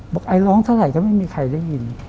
ไอร้องเท่าไหร่ก็ไม่มีใครได้ยิน